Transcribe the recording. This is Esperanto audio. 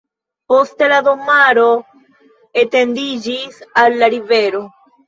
Poste la domaro etendiĝis al la rivero.